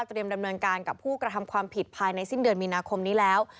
ดำเนินการกับผู้กระทำความผิดภายในสิ้นเดือนมีนาคมนี้แล้ว